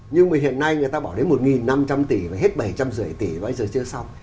nhưng mà hiện nay người ta bảo đấy một năm trăm linh tỷ và hết bảy trăm năm mươi tỷ và bây giờ chưa xong